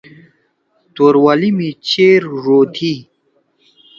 توروالی می چیر ڙو تھيی